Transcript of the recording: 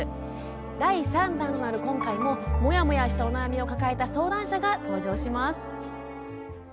第３弾となる今回もモヤモヤしたお悩みを抱えた相談者が登場します。